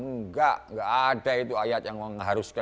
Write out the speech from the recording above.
enggak enggak ada itu ayat yang mengharuskan